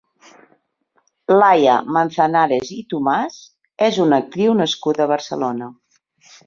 Laia Manzanares i Tomàs és una actriu nascuda a Barcelona.